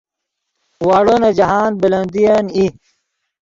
واڑو نے جاہند بلندین ای